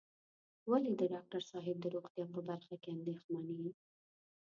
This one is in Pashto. ولې د ډاکټر صاحب د روغتيا په برخه کې اندېښمن یې.